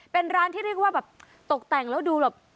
เป็นร้านที่เรียกว่าแบบตกแต่งแล้วดูแบบ